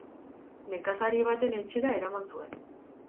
Nekazari baten etxera eraman zuen.